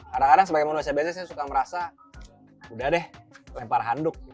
kadang kadang sebagai manusia biasa saya suka merasa udah deh lempar handuk